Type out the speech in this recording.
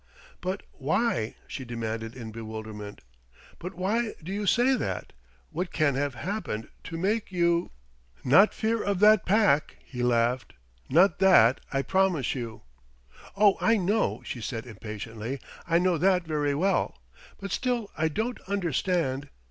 "But why?" she demanded in bewilderment. "But why do you say that? What can have happened to make you ?" "Not fear of that Pack!" he laughed "not that, I promise you." "Oh, I know!" she said impatiently "I know that very well. But still I don't understand...."